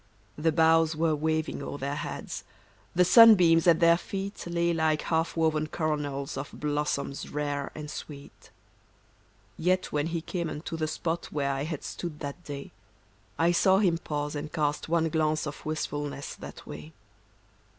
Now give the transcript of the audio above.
The boughs were waving o'er their heads, The sunbeams at their feet Lay like half woven coronals Of blossoms rare and sweet. Yet when he came unto the spot Where I had stood that day, I saw him pause and cast one glance Of wistfulness that way.